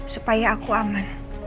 supaya aku aman